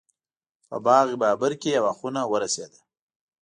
په باغ بابر کې یوه خونه ورسېده.